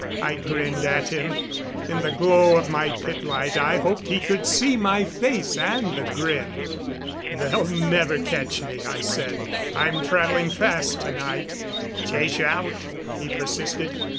I grinned at him. In the glow of my pitlight I hoped he could see my face and the grin. "They'll never catch me," I said. "I'm traveling fast tonight." "Chase you out," he persisted.